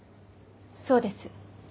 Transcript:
そうです。